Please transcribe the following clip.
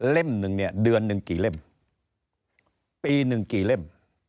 หนึ่งเนี่ยเดือนหนึ่งกี่เล่มปีหนึ่งกี่เล่ม